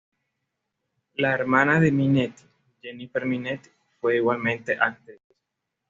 La hermana de Minetti, Jennifer Minetti, fue igualmente actriz.